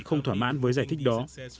không thỏa mãn với giải thích đó